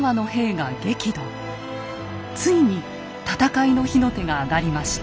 ついに戦いの火の手があがりました。